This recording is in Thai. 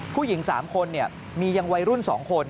ผู้หญิง๓คนมียังวัยรุ่น๒คน